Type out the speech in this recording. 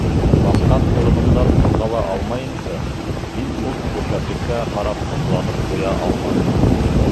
Баҫҡан урынымдан ҡуҙғала алмайынса, мин шул күркәмлеккә ҡарап һоҡланып туя алманым.